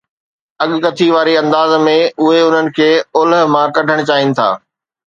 اڳڪٿي واري انداز ۾، اهي انهن کي اولهه مان ڪڍڻ چاهين ٿا.